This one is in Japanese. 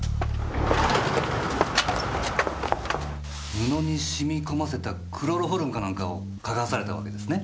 布に染み込ませたクロロホルムかなんかを嗅がされたわけですね？